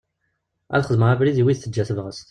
Ad xedmeɣ abrid i wid teǧǧa tebɣest.